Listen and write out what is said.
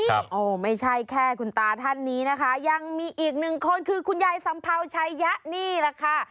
โอ้ไม่ใช่แค่คุณตาท่านนี้นะคะยังมีอีกหนึ่งคนคือคุณยายสัมเภาชัยยะนี่แหละค่ะ